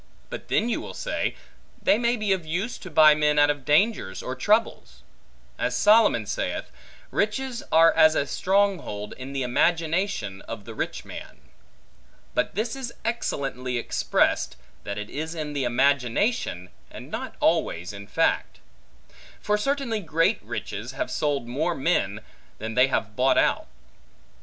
But then you will say, they may be of use, to buy men out of dangers or troubles. As Solomon saith, Riches are as a strong hold, in the imagination of the rich man. But this is excellently expressed, that it is in imagination, and not always in fact. For certainly great riches, have sold more men, than they have bought out.